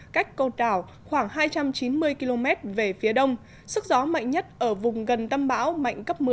cách côn đảo khoảng hai trăm chín mươi km về phía đông sức gió mạnh nhất ở vùng gần tâm bão mạnh cấp một mươi